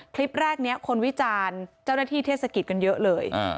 คลิปแรกนี้คนวิจารณ์เจ้าหน้าที่เทศกิจกันเยอะเลย